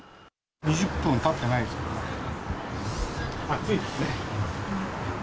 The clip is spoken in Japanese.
２０分たってないですけど、暑いですね。